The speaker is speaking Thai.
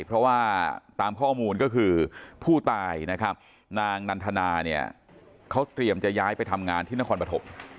เพราะว่าตามข้อมูลก็คือผู้ตายนะครับนางนันทนาเนี่ยเขาเตรียมจะย้ายไปทำงานที่นครปฐม